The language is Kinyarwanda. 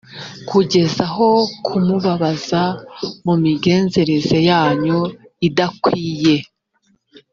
kugeza aho kumubabaza mu migenzereze yanyu idakwiye.»